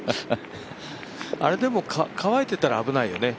あれでも乾いていたら危ないよね。